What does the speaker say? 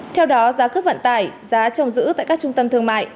theo đó giá cước vận tải giá trồng giữ tại các trung tâm thương mại